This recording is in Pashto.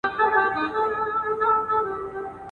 نه ملکانو څه ویل نه څه ویله مُلا.